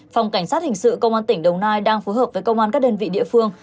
phòng cảnh sát hình sự công an tỉnh đồng nai đang phối hợp với công an các đơn vị địa phương